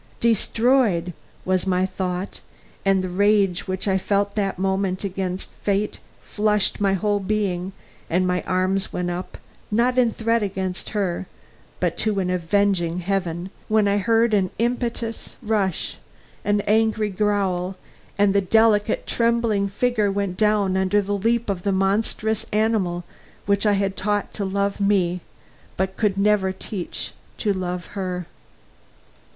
"Destroyed!" was my thought; and the rage which I felt that moment against fate flushed my whole being, and my arms went up, not in threat against her, but to an avenging Heaven, when I heard an impetuous rush, an angry growl, and the delicate, trembling figure went down under the leap of the monstrous animal which I had taught to love me, but could never teach to love her.